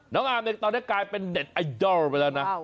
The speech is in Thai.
น้องอาร์มตอนนี้กลายเป็นเด็ดไอดอลไปแล้วนะ